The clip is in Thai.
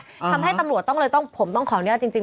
ทำให้ตำรวจต้องเลยต้องผมต้องขออนุญาตจริงจริง